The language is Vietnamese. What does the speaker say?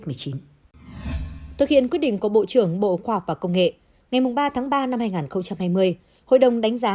thực hiện quyết định của bộ trưởng bộ khoa học và công nghệ ngày ba tháng ba năm hai nghìn hai mươi hội đồng đánh giá